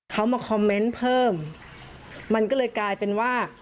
เขามาคอมเมนต์เพิ่มมันก็เลยกลายเป็นว่า